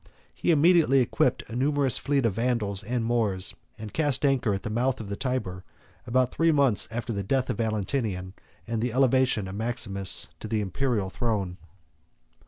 He immediately equipped a numerous fleet of Vandals and Moors, and cast anchor at the mouth of the Tyber, about three months after the death of Valentinian, and the elevation of Maximus to the Imperial throne.